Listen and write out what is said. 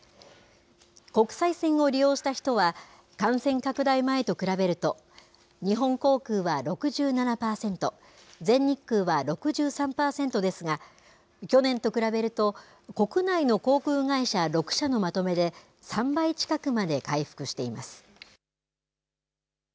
国際線を利用した人は、感染拡大前と比べると、日本航空は６７％、全日空は６３％ですが、去年と比べると、国内の航空会社６社のまとめで、３倍近くまで回復しています。